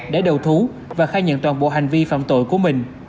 để đầu thú và khai nhận toàn bộ hành vi phạm tội của mình